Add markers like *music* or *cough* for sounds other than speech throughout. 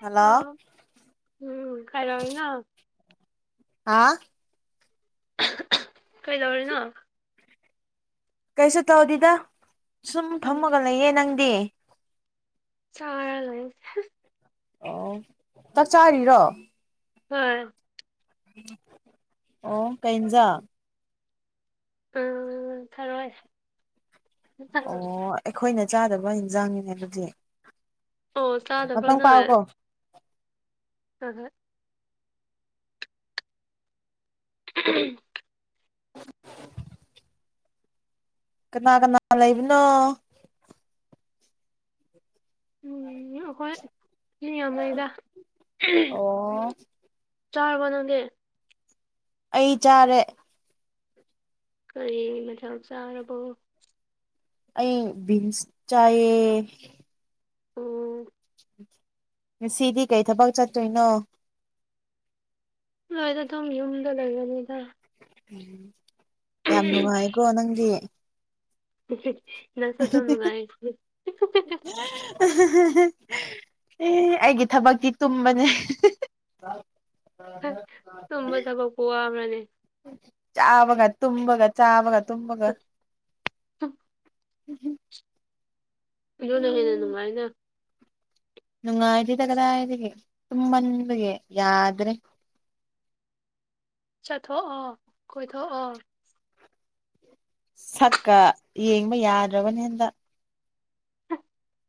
hello ꯑ ꯎꯝ ꯀꯩꯗꯧꯔꯤꯅꯣ ꯍꯥꯎ ꯀꯩꯗꯧꯔꯤꯅꯣ ꯀꯩꯁꯨ ꯇꯧꯗꯦꯗ ꯁꯨꯝ ꯎꯝ ꯐꯝꯃꯒ ꯂꯩꯌꯦ ꯅꯪꯗꯤ ꯆꯥꯔ ꯂꯩ ꯑꯣ ꯆꯥꯛ ꯆꯥꯔꯤꯔꯣ ꯍꯣꯏ ꯑꯣ ꯀꯩ ꯍꯤꯟꯖꯥꯡ ꯎꯝ ꯊꯔꯣꯏ ꯑꯣ ꯑꯩꯈꯣꯏꯅ ꯆꯥꯗꯕ ꯏꯟꯁꯥꯡꯅꯤꯅꯦ ꯑꯗꯨꯗꯤ ꯑꯣ ꯆꯥꯗꯕ꯭ꯔꯣ *unintelligible* ꯄꯥꯏꯌꯨꯀꯣ ꯍꫭꯍꯦꯏ ꯎꯝ ꯀꯅꯥ ꯀꯅꯥ ꯂꯩꯕꯅꯣ ꯎꯝ ꯑꯩꯈꯣꯏ ꯃꯤ ꯌꯥꯝ ꯂꯩꯗ ꯑꯣ ꯆꯥꯔꯕꯣ ꯅꯪꯗꯤ ꯑꯩ ꯆꯥꯔꯦ ꯀꯔꯤ ꯃꯊꯦꯜ ꯆꯥꯔꯕꯣ ꯑꯩ ꯕꯤꯟꯁ ꯆꯥꯏꯌꯦ ꯑꯣ ꯉꯁꯤꯗꯤ ꯀꯩ ꯊꯕꯛ ꯆꯠꯇꯣꯏꯅꯣ ꯑꯩ ꯑꯗꯨꯝ ꯌꯨꯝꯗ ꯂꯩꯔꯅꯤꯗ ꯌꯥꯝ ꯅꯨꯡꯉꯥꯏꯀꯣ ꯅꯪꯗꯤ ꯅꯪꯁꯨ ꯑꯗꯨꯝ ꯅꯨꯉꯥꯏ *unintelligible* *unintelligible* ꯑꯦ ꯑꯩꯒꯤ ꯊꯕꯛꯇꯤ ꯇꯨꯝꯕꯅꯦ ꯇꯨꯝꯕ *unintelligible* ꯆꯥꯕꯒ ꯇꯨꯝꯕꯒ ꯆꯥꯕꯒ ꯇꯨꯝꯕꯒ ꯍ ꯕꯤꯗꯤꯌꯣꯅ ꯍꯦꯟꯅ ꯎꯝ ꯅꯨꯡꯉꯥꯏꯅ ꯅꯨꯡꯉꯥꯏꯇꯦꯗ ꯀꯗꯥꯏꯗꯒꯤ ꯇꯨꯝꯃꯟꯕꯒꯤ ꯌꯥꯗ꯭ꯔꯦ ꯆꯠꯊꯣꯛꯑꯣ ꯀꯣꯏꯊꯣꯛꯑꯣ ꯁꯛꯀ ꯌꯦꯡꯕ ꯌꯥꯗ꯭ꯔꯕꯅꯤ ꯍꯟꯇꯛ *unintelligible*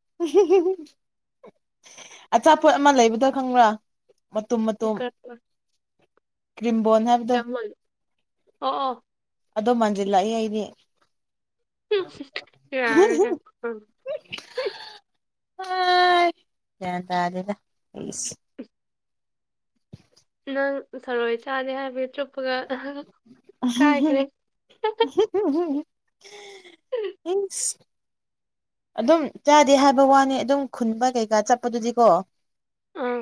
ꯑꯆꯥꯄꯣꯠ ꯑꯃ ꯂꯩꯕꯗꯣ ꯈꯪꯕ꯭ꯔꯥ ꯃꯇꯨꯝ ꯃꯇꯨꯝ ꯀ꯭ꯔꯤꯝꯕꯣꯟ *unintelligible* ꯆꯥꯃꯨꯟ ꯑꯣ ꯑꯣ ꯑꯗꯣ ꯃꯥꯟꯖꯤꯜꯂꯛꯏ ꯑꯩꯗꯤ ꯌꯥꯔꯒ ꯎꯝ ꯑꯥ ꯒꯌ꯭ꯥꯟ ꯇꯥꯗꯦꯗ ꯑꯩꯁꯨ ꯅꯪ ꯊꯔꯣꯏ ꯆꯥꯗꯦ ꯍꯥꯏꯕꯒꯤ ꯆꯨꯞꯄꯒ ꯏꯀꯥꯏꯈ꯭ꯔꯦ ꯏꯁ ꯑꯗꯨꯝ ꯆꯥꯗꯦ ꯍꯥꯏꯕ ꯋꯥꯅꯤ ꯑꯗꯨꯝ ꯈꯨꯟꯕ ꯀꯩꯀꯥ ꯆꯠꯄꯗꯨꯗꯤꯀꯣ ꯑꯥ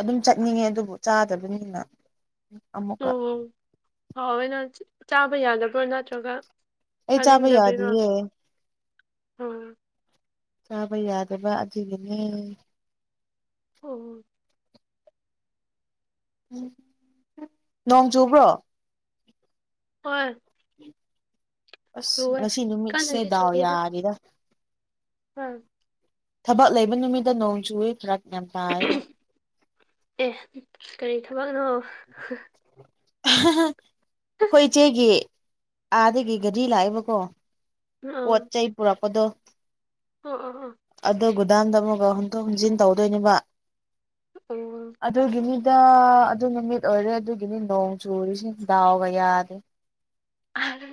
ꯑꯗꯨꯝ ꯆꯠꯅꯤꯡꯉꯦ ꯑꯗꯨꯕꯨ ꯆꯥꯗꯕꯅꯤꯅ ꯑꯃꯨꯛꯀ ꯑꯣ ꯍꯋꯦꯅ ꯆꯥꯕ ꯌꯥꯗꯕ꯭ꯔꯣ ꯅꯠꯇ꯭ꯔꯒ ꯑꯩ ꯆꯥꯕ ꯍꯅꯤꯡꯗꯕꯩꯔꯣ ꯌꯥꯗꯤꯌꯦ ꯆꯥꯕ ꯌꯥꯗꯕ ꯑꯗꯨꯒꯤꯅꯦ ꯑꯣ ꯅꯣꯡ ꯆꯨꯕ꯭ꯔꯣ ꯍꯣꯏ ꯑꯁ ꯆꯨꯋꯦ ꯉꯁꯤ ꯅꯨꯃꯤꯠꯁꯦ ꯀꯟꯅꯗꯤ ꯗꯥꯎ ꯌꯥꯗꯤꯗ ꯍꯥ ꯊꯕꯛ ꯂꯩꯕ ꯅꯨꯃꯤꯠꯇ ꯅꯣꯡ ꯆꯨꯏꯌꯦ ꯐꯔꯛ ꯌꯥꯝ ꯇꯥꯏꯌꯦꯕ ꯑꯦ ꯀꯔꯤ ꯊꯕꯛꯅꯣ ꯍ ꯍꯍ ꯑꯩꯈꯣꯏ ꯏꯆꯦꯒꯤ ꯑꯥꯗꯒꯤ ꯒꯔꯤ ꯂꯥꯛꯑꯦꯕꯀꯣ ꯑꯥ ꯄꯣꯠ ꯆꯩ ꯄꯨꯔꯛꯄꯗꯣ ꯑꯥ ꯑꯥ ꯑꯥ ꯑꯗꯨ ꯒꯨꯗꯥꯝꯗ ꯑꯃꯨꯛꯒ ꯍꯨꯝꯇꯣꯛ ꯍꯨꯝꯖꯤꯟ ꯇꯧꯗꯣꯏꯅꯦꯕ ꯑꯣ ꯑꯗꯨꯒꯤꯅꯤ ꯇꯥ ꯑꯗꯨ ꯅꯨꯃꯤꯠ ꯑꯣꯏꯔꯦ ꯑꯗꯨꯒꯤꯅꯤ ꯅꯣꯡ ꯆꯨꯔꯤꯁꯤ ꯗꯥꯎꯒ ꯌꯥꯗꯦ ꯑꯍ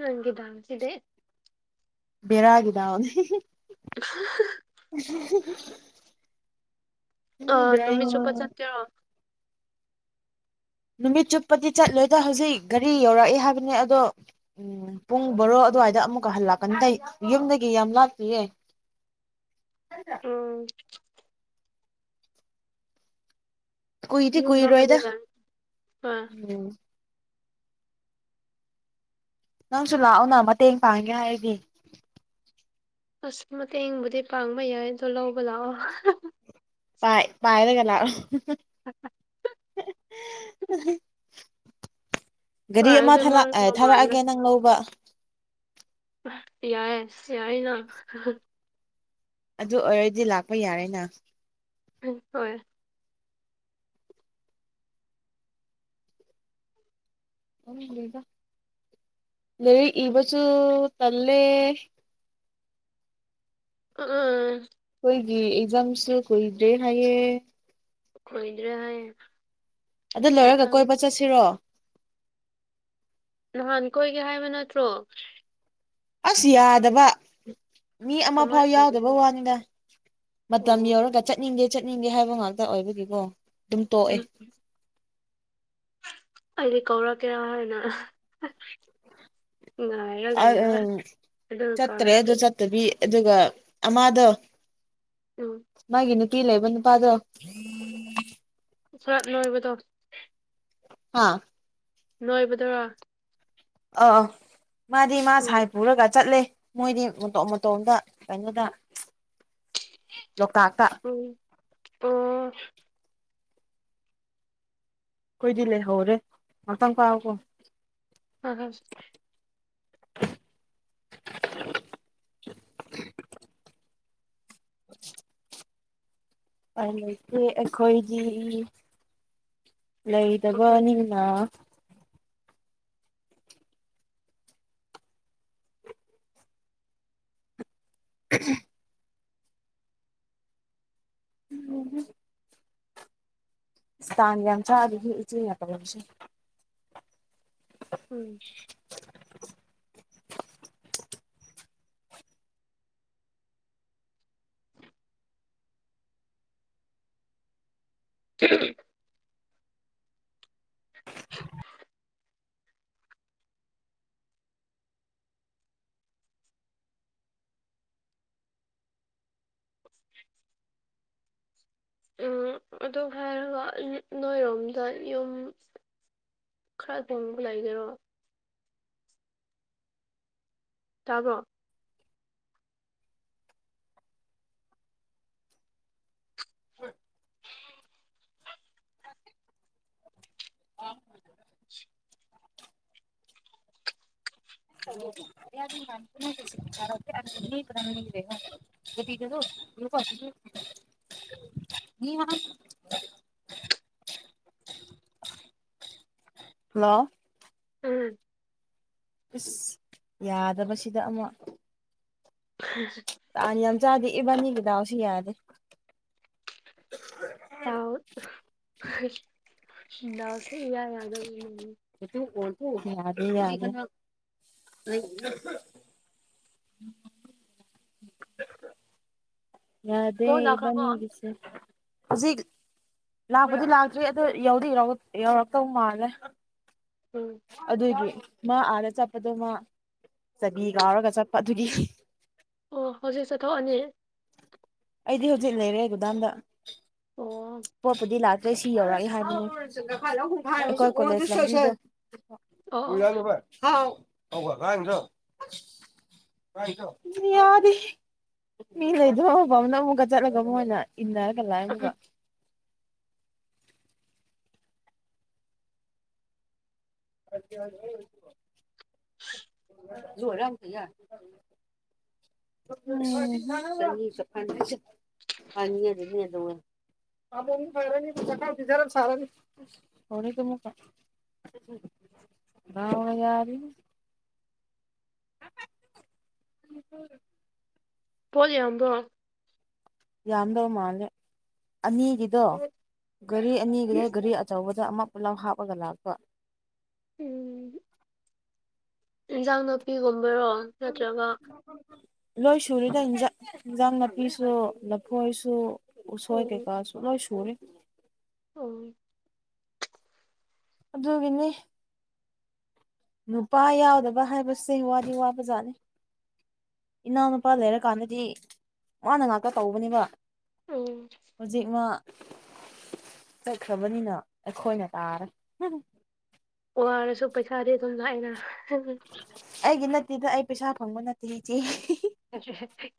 ꯅꯪꯒꯤ ꯗꯥꯎꯁꯤꯗꯤ ꯕꯦꯔꯥꯒꯤ ꯗꯥꯎꯅꯤ ꯍꯤ ꯍꯤ ꯑ ꯅꯨꯃꯤꯠꯆꯨꯞꯄꯥ ꯆꯠꯀꯦꯔꯣ ꯅꯨꯃꯤꯠ ꯆꯨꯞꯄꯗꯤ ꯆꯠꯂꯣꯏꯗ ꯍꯧꯖꯤꯛ ꯒꯥꯔꯤ ꯌꯧꯔꯛꯑꯦ ꯍꯥꯏꯕꯅꯦ ꯑꯗꯣ ꯎꯝ ꯄꯨꯡ ꯕꯔꯣ ꯑꯗꯨꯋꯥꯏꯗ ꯑꯃꯨꯛꯀ ꯍꯜꯂꯛꯀꯟꯗꯩ ꯌꯨꯝꯗꯒꯤ ꯌꯥꯝ ꯂꯥꯞꯇꯤꯌꯦ *unintelligible* ꯎꯝ ꯀꯨꯏꯗꯤ ꯌꯨꯝꯂꯛꯑꯗꯤ ꯀꯨꯏꯔꯣꯏꯗ ꯌꯥꯔꯦ ꯑꯥ ꯎꯝ ꯅꯪꯁꯨ ꯂꯥꯛꯑꯣꯅ ꯃꯇꯦꯡ ꯄꯥꯡꯒꯦ ꯍꯥꯏꯔꯗꯤ ꯑꯁ ꯃꯇꯦꯡꯕꯨꯗꯤ ꯄꯥꯡꯕ ꯌꯥꯏ ꯑꯗꯣ ꯂꯧꯕ ꯂꯥꯛꯑꯣ ꯄꯥꯏ ꯄꯥꯏꯔꯒ ꯂꯥꯛꯑꯣ *unintelligible* *unintelligible* ꯒꯔꯤ ꯑꯃ ꯄꯥꯔꯗꯤ ꯊꯥꯂꯛ ꯃꯥꯡ ꯑꯥ ꯃꯃꯥꯡꯒ ꯊꯥꯂꯛꯑꯒꯦ ꯅꯪ ꯂꯧꯕ ꯌꯥꯏꯌꯦ ꯌꯥꯏꯅ ꯍ ꯍ ꯑꯗꯨ ꯑꯣꯏꯔꯗꯤ ꯂꯥꯛꯄ ꯌꯥꯔꯦꯅ ꯍ ꯍꯣꯏ ꯈꯪꯗꯦꯗ ꯂꯩꯔꯤꯛ ꯏꯕꯁꯨꯨ ꯇꯜꯂꯦ ꯑ ꯑꯥ ꯈꯣꯏꯒꯤ ꯑꯦꯛꯖꯥꯝꯁꯨ ꯀꯨꯏꯗ꯭ꯔꯦ ꯍꯥꯏꯌꯦ ꯀꯨꯏꯗ꯭ꯔꯦ ꯍꯥꯏꯌꯦ ꯑꯗꯨ ꯂꯣꯏꯔꯒ ꯃꯊꯪ ꯀꯣꯏꯕ ꯆꯠꯁꯤꯔꯣ ꯅꯍꯥꯟ ꯀꯣꯏꯒꯦ ꯍꯥꯏꯕ ꯅꯠꯇ꯭ꯔꯣ ꯑꯁ ꯌꯥꯗꯕ ꯃꯤ ꯑꯃ ꯐꯥꯎ ꯀꯃꯥꯏꯅ ꯇꯧꯒꯦ ꯌꯥꯎꯗꯕ ꯋꯥꯅꯤꯗ ꯃꯇꯝ ꯑꯣ ꯌꯧꯔꯒ ꯆꯠꯅꯤꯡꯗꯦ ꯆꯠꯅꯤꯡꯗꯦ ꯍꯥꯏꯕ ꯉꯥꯛꯇ ꯑꯣꯏꯕꯒꯤꯀꯣ ꯑꯗꯨꯝ ꯇꯣꯛꯑꯦ ꯎꯝ ꯑꯩꯗꯤ ꯀꯧꯔꯛꯀꯦꯔꯥ ꯍꯥꯏꯅ ꯉꯥꯏ ꯑꯥ ꯑꯝ ꯆꯠꯇ꯭ꯔꯦ ꯑꯗꯨ ꯆꯠꯇꯕꯤ ꯑꯗꯨꯒ ꯑꯃꯗꯣ ꯎꯝ ꯃꯥꯒꯤ ꯅꯨꯄꯤ ꯂꯩꯕ ꯅꯨꯄꯥꯗꯣ ꯃꯁꯥ ꯅꯣꯏꯕꯗꯣ ꯍꯥ ꯅꯣꯏꯕꯗꯨꯔꯥ ꯑ ꯑ ꯃꯥꯗꯤ ꯃꯥ ꯎꯝ ꯁꯥꯏ ꯄꯨꯔꯒ ꯆꯠꯂꯦ ꯃꯣꯏꯗꯤ ꯃꯇꯣꯝ ꯃꯇꯣꯝꯗ ꯀꯩꯅꯣꯗ ꯂꯣꯛꯇꯥꯛꯇ ꯎꯝ ꯑꯣ ꯈ‌ꯣꯏꯗꯤ ꯂꯩꯍꯧꯔꯦ ꯉꯥꯛꯇꯪ ꯄꯥꯏꯌꯣꯀꯣ *unintelligible* *unintelligible* ꯎꯄꯥꯢ ꯂꯩꯇꯦ ꯑꯩꯈꯣꯏꯒꯤ ꯍꯣꯏ ꯂꯩꯇꯕꯅꯤꯅ *unintelligible* ꯎꯝ ꯍꯨꯝ ꯏꯁ ꯇꯥꯟ ꯌꯥꯝ ꯆꯥꯗꯦꯍꯦ ꯏꯆꯦꯅꯥ ꯇꯧꯔꯛꯄꯁꯦ ꯎꯝ *unintelligible* *unintelligible* ꯎꯝ ꯑꯗꯨ ꯍꯥꯏꯔꯒ ꯅꯣꯏꯔꯣꯝꯗ ꯌꯨꯝ ꯈꯔ ꯍꯣꯡꯕ ꯂꯩꯒꯦꯔꯣ ꯇꯥꯕꯔꯣ *inaudible* *unintelligible* *unintelligible* ꯍꯜꯂꯣ ꯎꯝ ꯏꯁ ꯌꯥꯗꯕꯁꯤꯗ ꯑꯃꯨꯛ *unintelligible* ꯇꯥꯟ ꯌꯥꯝ ꯆꯥꯗꯦ ꯏꯕꯥꯅꯤꯒꯤ ꯗꯥꯎꯁꯦ ꯌꯥꯗꯦ ꯗꯥꯎ ꯗꯥꯎꯁꯦ ꯏꯌꯥ ꯌꯥꯗꯕꯒꯤꯅꯦ *unintelligible* ꯌꯥꯗꯦ ꯑꯣ ꯂꯥꯛꯈ꯭ꯔꯕꯣ ꯏꯕꯥꯟꯅꯤꯒꯤꯁꯦ ꯍꯧꯖꯤꯛ ꯂꯥꯛꯄꯗꯤ ꯂꯥꯛꯇ꯭ꯔꯤ ꯑꯗꯣ ꯌꯧꯗꯤ ꯌꯧꯔꯛ ꯌꯧꯔꯛꯇꯧ ꯃꯥꯜꯂꯦ ꯎꯝ ꯑꯗꯨꯏꯗꯤ ꯃꯥ ꯑꯥꯗ ꯆꯠꯄꯗꯣ ꯃꯥ ꯆꯕꯤ ꯀꯥꯎꯔꯒ ꯆꯠꯄ ꯑꯗꯨꯒꯤ ꯑꯣ ꯍꯧꯖꯤꯛ ꯆꯠꯊꯣꯛꯑꯅꯤ ꯑꯩꯗꯤ ꯍꯧꯖꯤꯛ ꯂꯩꯔꯦ ꯒꯣꯗ‌ꯣꯎꯗ ꯑꯣ ꯄꯣꯠꯄꯨꯗꯤ ꯂꯥꯛꯇꯔꯤ ꯁꯤ ꯌꯧꯔꯛꯑꯦ ꯍꯥꯏꯕꯅꯤ ꯑꯣ ꯑꯩꯈꯣꯏ‌ ꯑꯣ ꯀ‌ꯣꯂ‌ꯦꯖ ꯂꯝꯕꯤꯗ *unintelligible* ꯌꯥꯗꯦ ꯃꯤ ꯂꯩꯇꯕ ꯃꯐꯝꯗꯥ ꯑꯃꯨꯛꯀ ꯆꯠꯂꯒ ꯃꯣꯏꯅ ꯏꯟꯅꯔꯒ ꯂꯛꯌꯦ ꯑꯃꯨꯛꯀ *unintelligible* *unintelligible* *unintelligible* *unintelligible* *unintelligible* *unintelligible* ꯗꯧꯅ ꯌꯥꯗ꯭ꯔꯤꯕꯥ *unintelligible* ꯕꯣꯜ ꯌꯦꯡꯕꯔꯣ ꯌꯥꯝꯗꯧ ꯃꯥꯜꯂꯦ ꯑꯅꯤꯒꯤꯗꯣ ꯒꯥꯔꯤ ꯑꯅꯤꯒꯤꯗ ꯒꯥꯔꯤ ꯑꯆꯧꯕꯗ ꯑꯃ ꯄꯨꯂꯞ ꯍꯥꯞꯄꯒ ꯂꯥꯛꯄ ꯎꯝ ꯏꯟꯁꯥꯡ ꯅꯥꯄꯤꯒꯨꯝꯕꯔꯣ ꯅꯠꯇ꯭ꯔꯒ ꯂꯣꯏ ꯁꯨꯔꯦꯗ ꯏꯟꯖꯥꯡ ꯅꯥꯄꯤꯁꯨ ꯂꯐꯣꯏꯁꯨ ꯎ ꯁꯣꯏ ꯎꯝ ꯀꯩꯀꯥꯁꯨ ꯂꯣꯢ ꯁꯨꯔꯦ ꯑꯣ ꯑꯗꯨꯒꯤꯅꯤ ꯅꯨꯄꯥ ꯌꯥꯎꯗꯕ ꯍꯥꯏꯕꯁꯦ ꯋꯥꯗꯤ ꯋꯥꯕꯖꯥꯠꯅꯤ ꯏꯅꯥꯎꯅꯨꯄꯥ ꯂꯩꯔꯀꯥꯟꯗꯗꯤ ꯃꯥꯅ ꯉꯥꯛꯇ ꯇꯧꯕꯅꯦꯕ ꯎꯝ ꯍꯧꯖꯤꯛ ꯃꯥ ꯆꯠꯈ꯭ꯔꯕꯅꯤꯅ ꯑꯩꯈꯣꯏꯅ ꯇꯥꯔꯦ ꯋꯥꯔꯁꯨ ꯄꯩꯁꯥꯗꯤ ꯑꯗꯨꯝ ꯂꯥꯛꯏꯗ ꯑꯩꯒꯤ ꯅꯠꯇꯦꯗ ꯑꯩ ꯄꯩꯁꯥ ꯐꯪꯕ ꯅꯠꯇꯦ ꯏꯆꯦ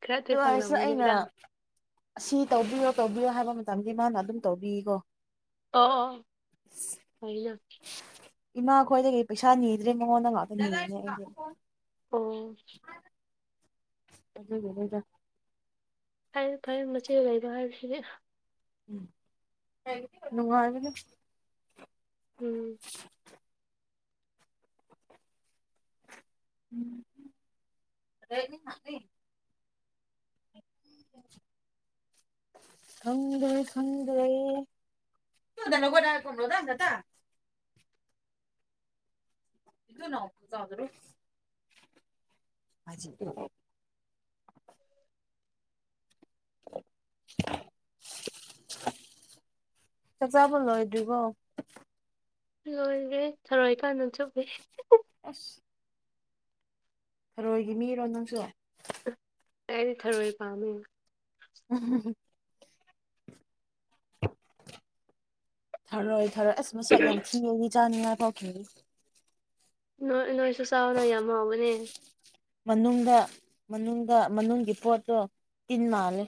ꯈꯔꯗꯤ ꯐꯪ ꯉꯝꯅꯤꯗ ꯑꯁꯤ ꯇꯧꯕꯤꯌꯣ ꯇꯧꯕꯤꯌꯣ ꯍꯥꯏꯕ ꯃꯇꯝꯗ ꯃꯥꯅ ꯑꯗꯨꯝ ꯇꯧꯕꯤꯀꯣ ꯑꯣ ꯐꯩꯅꯥ ꯏꯃꯥꯈꯣꯏꯗꯒꯤ ꯄꯩꯁꯥ ꯅꯤꯗ꯭ꯔꯦ ꯃꯉꯣꯟꯗ ꯉꯥꯛꯇ ꯅꯤꯔꯅꯦ ꯑꯩꯗꯤ ꯑꯣ ꯑꯗꯨꯒꯤꯅꯤꯗꯥ ꯐꯩ ꯐꯩꯌꯦ ꯃꯆꯦ ꯂꯩꯕ ꯍꯥꯏꯕꯁꯤꯅꯦ ꯅꯨꯡꯉꯥꯏꯕꯅꯦ ꯎꯝ *inaudible* *unintelligible* ꯈꯡꯗꯔꯦ ꯈꯡꯗꯔꯦ *unintelligible* *unintelligible* ꯆꯥꯛ ꯆꯥꯕ ꯂꯣꯏꯗꯔ꯭ꯤꯕꯣ ꯂꯣꯏꯈ꯭ꯔꯦ ꯊꯔꯣꯏ ꯀꯟꯅ ꯆꯨꯞꯄꯤ ꯑꯁ ꯊꯔꯣꯏꯒꯤ ꯃꯤꯔꯣ ꯅꯪꯁꯨ ꯑꯩꯗꯤ ꯊꯔꯣꯏ ꯄꯥꯝꯃꯦ ꯎꯝ ꯊꯔꯣꯏ ꯊꯔꯣꯏ ꯑꯁ ꯃꯁꯛ ꯌꯥꯝ ꯊꯤꯔꯦꯗꯤ ꯆꯥꯅꯤꯡꯉꯥꯏ ꯄꯣꯛꯇꯔ ꯅꯣꯏ ꯅꯣꯏꯁꯨ ꯆꯥꯎꯅ ꯌꯥꯝ ꯍꯥꯎꯕꯅꯦ ꯃꯅꯨꯡꯗ ꯃꯅꯨꯡꯗ ꯃꯅꯨꯡꯒꯤ ꯄꯣꯠꯇꯣ ꯇꯤꯟ ꯃꯥꯜꯂꯦ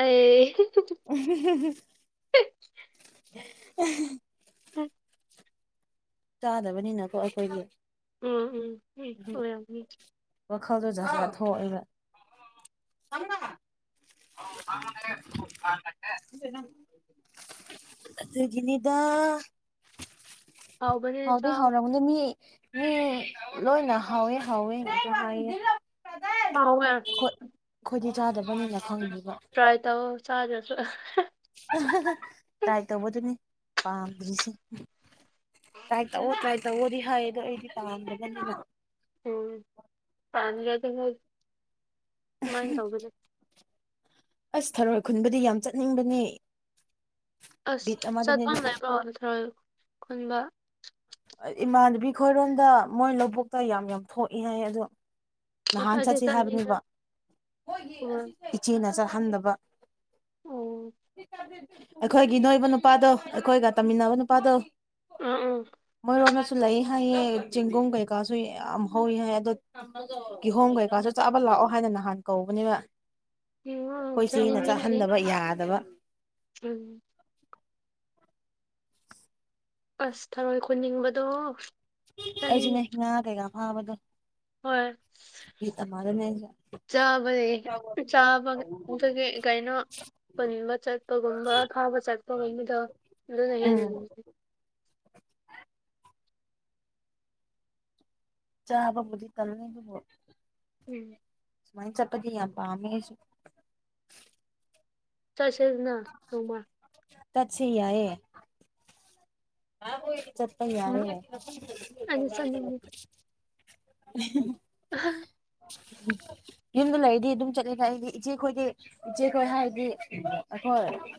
ꯑꯩ *unintelligible* *unintelligible* *unintelligible* *inaudible* ꯆꯥꯗꯕꯅꯤꯅꯀꯣ ꯑꯩꯈꯣꯏꯗꯤ ꯎꯝ ꯎꯝ ꯎꯝ ꯑꯣꯏ ꯌꯥꯝ ꯋꯥꯈꯜꯗꯣ ꯖꯥꯠ ꯖꯥꯠ ꯊꯣꯛꯏꯕ *inaudible* ꯑꯗꯨꯒꯤꯅꯤꯗ ꯍꯥꯎꯕꯅꯦ ꯍꯥꯎꯗꯤ ꯆꯥꯎ ꯍꯥꯎꯔꯝꯒꯅꯤ ꯃꯤ ꯃꯤ ꯂꯣꯏꯅ ꯍꯥꯎꯋꯦ ꯍꯥꯎꯋꯦ ꯍꯥꯏꯌꯦ ꯍꯥꯎꯋꯦ ꯑꯩꯈꯣꯏꯗꯤ ꯆꯥꯗꯕꯅꯤꯅ ꯈꯪꯗꯦꯕ ꯇꯔꯥꯏ ꯇꯧ ꯆꯥꯗꯔꯁꯨ ꯇ꯭ꯔꯥꯏ ꯇꯧꯕꯗꯨꯅꯦ ꯄꯥꯝꯗ꯭ꯔꯤꯁꯦ ꯇ꯭ꯔꯥꯏ ꯇꯧꯑꯣ ꯇ꯭ꯔꯥꯏ ꯇꯧꯑꯣꯗꯤ ꯍꯥꯏꯌꯦ ꯑꯗꯣ ꯑꯩꯗꯤ ꯄꯥꯝꯗꯕꯅꯤꯅ ꯎꯝ ꯄꯥꯝꯗꯔꯥ ꯗꯤ ꯍꯣꯏ ꯀꯃꯥꯏ ꯇꯧꯒꯅꯤ ꯑꯁ ꯊꯔꯣꯏ ꯈꯨꯟꯕꯨꯗꯤ ꯌꯥꯝ ꯆꯠꯅꯤꯡꯕꯅꯦ ꯑꯁ ꯕꯤꯠ ꯑꯃꯗꯅꯤ ꯆꯠꯐꯝ ꯑꯗꯨꯁꯨ ꯂꯩꯕ꯭ꯔꯣ ꯊꯔꯣꯏ ꯈꯨꯟꯕ ꯏꯃꯥꯟꯅꯕꯤ ꯈꯣꯏꯔꯣꯝꯗ ꯃꯣꯏ ꯂꯧꯕꯨꯛꯇ ꯌꯥꯝ ꯌꯥꯝ ꯊꯣꯛꯏ ꯍꯥꯏ ꯑꯗꯣ ꯑꯁ ꯅꯍꯥꯟ ꯑꯩꯗꯤ ꯆꯠꯁꯤ ꯆꯠꯅꯤꯡꯉꯦ ꯍꯥꯏꯕꯅꯦꯕ ꯎꯝ ꯏꯆꯦꯅ ꯆꯠꯍꯟꯗꯕ ꯑꯣ ꯑꯩꯈꯣꯏꯒꯤ ꯅꯣꯏꯕ ꯅꯨꯄꯥꯗꯣ ꯑꯩꯈꯣꯏꯒ ꯇꯝꯃꯤꯟꯅꯕ ꯅꯨꯄꯥꯗꯣ ꯑꯥ ꯑꯥ ꯃꯣꯏꯔꯣꯝꯗꯁꯨ ꯁꯨ ꯂꯩ ꯍꯥꯏꯌꯦ ꯆꯦꯡꯒꯨꯝ ꯀꯩꯀꯥꯁꯨ ꯌꯥꯝ ꯍꯧꯋꯤ ꯍꯥꯏ ꯑꯗꯣ ꯀꯤꯍꯣꯝ ꯀꯩꯀꯥꯁꯨ ꯆꯥꯕ ꯂꯥꯛꯑꯣ ꯍꯥꯏꯅ ꯅꯍꯥꯟ ꯀꯧꯕꯅꯦꯕ ꯎꯝ ꯑꯩꯈꯣꯏ ꯏꯆꯦꯅ ꯆꯠꯅꯤꯡꯉꯦ ꯍꯥꯏꯗꯤ ꯆꯠꯍꯟꯗꯕ ꯌꯥꯗꯕ ꯎꯝ ꯑꯁ ꯊꯔꯣꯏ ꯈꯨꯟꯅꯤꯡꯕꯗꯣ ꯆꯠꯅꯤꯡ ꯑꯩꯁꯨꯅꯦ ꯉꯥ ꯀꯩꯀꯥ ꯐꯥꯕꯗꯣ ꯍꯣꯏ *unintelligible* ꯆꯥꯕꯅꯤ ꯆꯥꯕ ꯀꯩꯅꯣ ꯄꯨꯟꯅꯤꯡꯕ ꯆꯠꯄꯒꯨꯝꯕ ꯊꯥꯕ ꯆꯠꯄ *unintelligible* ꯑꯗꯨꯅ ꯎꯝ ꯍꯦꯟꯅ ꯅꯨꯉꯥꯏ ꯆꯥꯕꯕꯨꯗꯤ ꯇꯟꯅꯤ ꯑꯗꯨꯕꯣ ꯎꯝ ꯁꯨꯃꯥꯏꯅ ꯆꯠꯄꯗꯤ ꯌꯥꯝ ꯄꯥꯝꯃꯦ ꯑꯩꯁꯨ ꯆꯠꯁꯦꯗꯅ ꯅꯣꯡꯃꯥ ꯇꯠ ꯁꯦ ꯌꯥꯏꯌꯦ ꯆꯠꯄ ꯎꯝ ꯌꯥꯏꯌꯦ ꯑꯩꯗꯤ ꯆꯠꯅꯤꯡꯉꯤ *unintelligible* *unintelligible* ꯌꯨꯝꯗ ꯂꯩꯔꯗꯤ ꯑꯗꯨꯝ ꯆꯠꯂꯦꯗ ꯑꯩꯗꯤ ꯏꯆꯦꯈꯣꯏꯗꯤ ꯏꯆꯦꯈꯣꯏ ꯍꯥꯏꯔꯗꯤ ꯑꯩꯈꯣꯏ